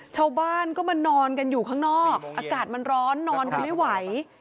ชาวบ้านก็มานอนกันอยู่ข้างนอกอากาศมันร้อนนอนกันไม่ไหว